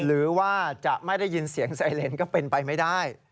หรือว่าจะไม่ได้ยินเสียงไซเลนก็เป็นไปไม่ได้